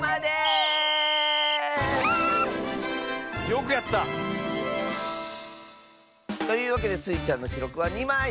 よくやった。というわけでスイちゃんのきろくは２まい！